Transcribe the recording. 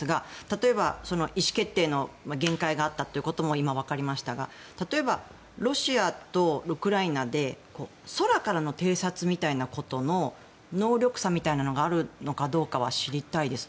例えば、意思決定の限界があったということも今分かりましたが例えば、ロシアとウクライナで空からの偵察みたいなことの能力差みたいなのがあるかどうか知りたいです。